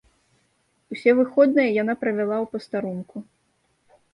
Усе выходныя яна правяла ў пастарунку.